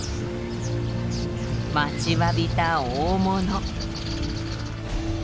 待ちわびた大物。